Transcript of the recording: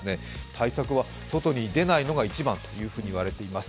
対策は、外に出ないのが一番というふうに言われています。